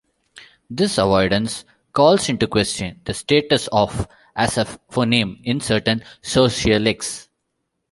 This avoidance calls into question the status of as a phoneme in certain sociolects.